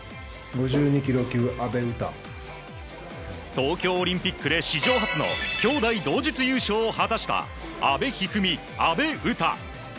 東京オリンピックで史上初の兄妹同日優勝を果たした阿部一二三、阿部詩。